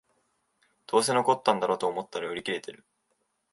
どうせ残ってんだろと思ったら売り切れてる